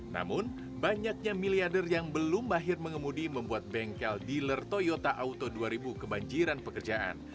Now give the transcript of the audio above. namun banyaknya miliarder yang belum mahir mengemudi membuat bengkel dealer toyota auto dua ribu kebanjiran pekerjaan